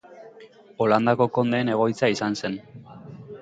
Holandako kondeen egoitza izan zen.